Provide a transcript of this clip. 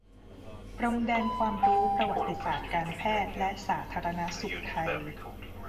พรมแดนความรู้ประวัติศาสตร์การแพทย์และสาธารณสุขไทย